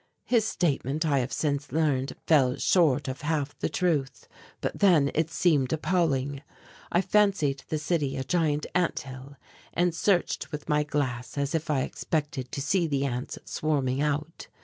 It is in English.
His statement, I have since learned, fell short of half the truth, but then it seemed appalling. I fancied the city a giant anthill, and searched with my glass as if I expected to see the ants swarming out.